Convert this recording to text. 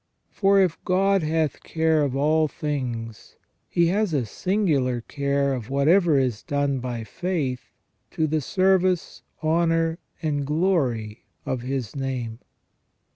For if God hath care of all things. He has a singular care of whatever is done by faith to the service, honour, and glory of His name.